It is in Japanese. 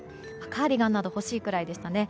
カーディガンなど欲しいぐらいでしたね。